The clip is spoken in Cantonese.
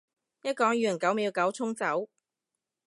一講完九秒九衝走